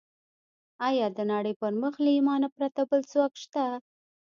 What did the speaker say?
ايا د نړۍ پر مخ له ايمانه پرته بل ځواک شته؟